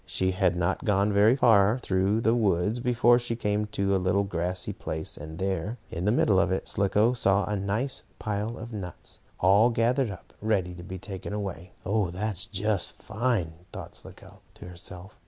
She had not gone very far through the woods before she came to a little grassy place, and there, in the middle of it, Slicko saw a nice pile of nuts, all gathered up, ready to be taken away. "Oh, that's just fine!" thought Slicko to herself.